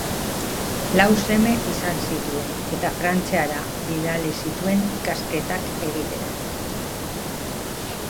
Lau seme izan zituen, eta Frantziara bidali zituen ikasketak egitera.